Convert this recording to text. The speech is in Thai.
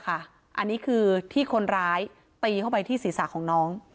อันนี้คือที่คนร้ายตีเข้าไปที่ศีรษะของน้อง